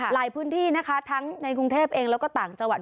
หลายพื้นที่นะคะทั้งในกรุงเทพเองแล้วก็ต่างจังหวัด